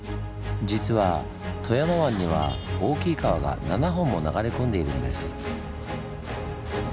実は富山湾には大きい川が７本も流れ込んでいるんです。